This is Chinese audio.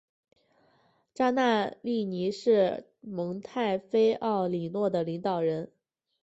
扎纳利尼是蒙泰菲奥里诺的领导人。